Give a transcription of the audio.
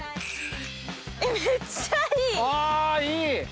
あいい！